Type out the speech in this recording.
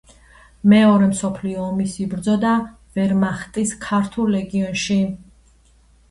მეორე მსოფლიო ომის იბრძოდა ვერმახტის ქართულ ლეგიონში.